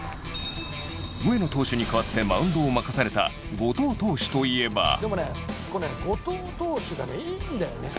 上野投手に代わってマウンドを任された後藤投手といえば。